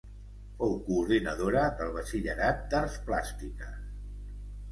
Fou coordinadora del batxillerat d'Arts Plàstiques.